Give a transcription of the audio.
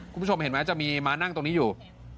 คุณผู้ชมเห็นไหมจะมีม้านั่งตรงนี้อยู่